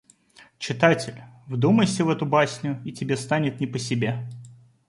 Читатель, вдумайся в эту басню и тебе станет не по себе.